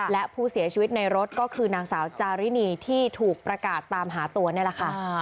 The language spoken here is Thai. และผู้เสียชีวิตในรถก็คือนางสาวจารินีที่ถูกประกาศตามหาตัวนี่แหละค่ะ